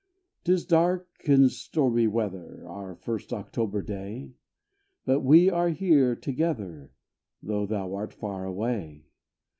'T is dark and stormy weather Our first October day; But we are here together, Though thou art far away.